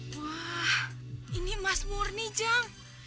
wah ini emas murni jang